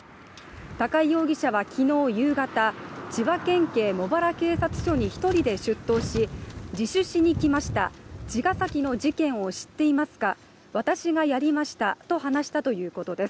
高井容疑者は昨日夕方、千葉県警茂原警察署に１人で出頭し自首しに来ました茅ヶ崎の事件を知っていますか私がやりましたと話したということです。